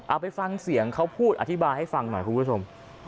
เอาไปฟังเสียงเขาพูดอธิบายให้ฟังหน่อยคุณผู้ชม